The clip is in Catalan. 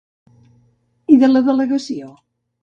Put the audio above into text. I de la delegació?